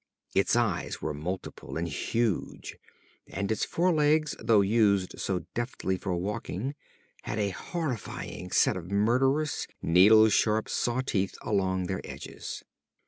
Its eyes were multiple and huge, and its forelegs though used so deftly for walking had a horrifying set of murderous, needle sharp saw teeth along their edges.